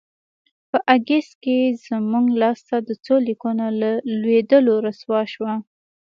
په اګست کې زموږ لاسته د څو لیکونو له لوېدلو رسوا شوه.